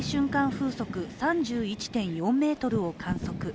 風速３１．４メートルを観測。